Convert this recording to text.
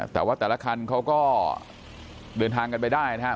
แต่ว่าแต่ละคันเขาก็เดินทางกันไปได้นะครับ